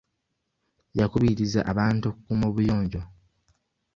Yakubiriza abantu okukuuma obuyonjo.